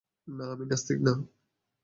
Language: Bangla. না, আমি নাস্তিক না।